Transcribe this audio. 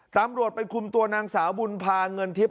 ตำรวจไปคุมตัวนางสาวบุญพาเงินทิพย